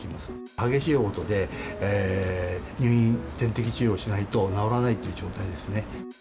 激しいおう吐で、入院、点滴治療しないと治らないっていう状態ですね。